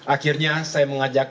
akhirnya saya mengajak